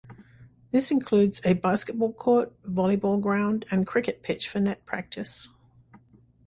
This includes a basketball court, volleyball ground and cricket pitch for net practice.